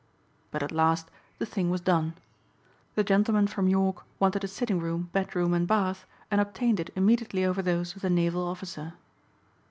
But at last the thing was done. The gentleman from York wanted a sitting room, bedroom and bath and obtained it immediately over those of the naval officer.